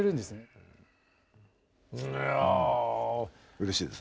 うれしいです。